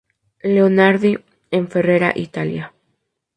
Leonardi’ en Ferrara, Italia.